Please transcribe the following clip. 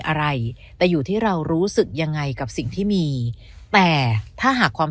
อะไรแต่อยู่ที่เรารู้สึกยังไงกับสิ่งที่มีแต่ถ้าหากความ